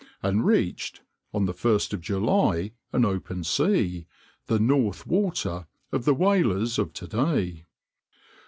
and reached, 1st July, an open sea, the 'North Water' of the whalers of to day.